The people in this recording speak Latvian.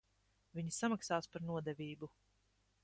Viņi samaksās par nodevību.